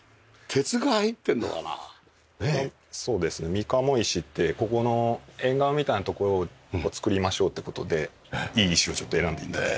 みかも石ってここの縁側みたいな所を造りましょうって事でいい石をちょっと選んで頂いて。